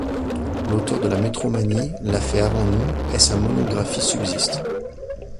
L’auteur de la Métromanie l’a fait avant nous, et sa monographie subsiste.